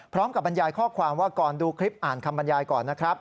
พร้อมกับบรรยายข้อความว่าก่อนดูคลิปอ่านคำบรรยายก่อนนะครับ